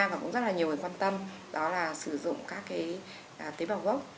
và cũng rất là nhiều người quan tâm đó là sử dụng các cái tế bào gốc